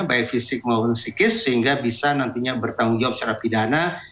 baik fisik maupun psikis sehingga bisa nantinya bertanggung jawab secara pidana